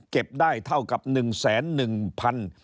เก็บได้เท่ากับ๑แสน๑พัน